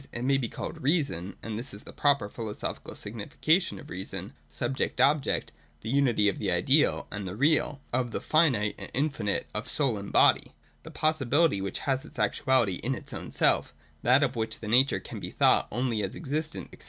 It may be called reason (and this is the proper philo sophical signification of reason) ; subject object ; the unity of the ideal and the real, of the finite and the in finite, of soul and body ; the possibility which has its actuality in its own self; that of which the nature can be thought only as existent, &c.